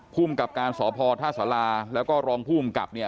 ภูมิกับการสอบพอร์ทหาสลาแล้วก็รองภูมิกับนี่